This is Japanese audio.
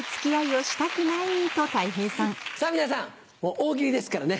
さぁ皆さん「大喜利」ですからね。